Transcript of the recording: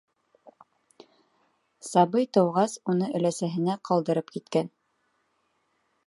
Сабый тыуғас, уны өләсәһенә ҡалдырып киткән.